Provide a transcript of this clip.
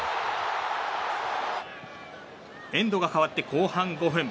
エンドが変わって後半５分。